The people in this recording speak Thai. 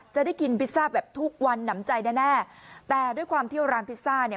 จะได้กินพิซซ่าแบบทุกวันหนำใจแน่แน่แต่ด้วยความที่ร้านพิซซ่าเนี่ย